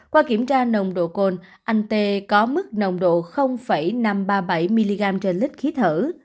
qua kiểm tra nồng độ cồn anh tê có mức nồng độ năm trăm ba mươi bảy mg trên lít khí thở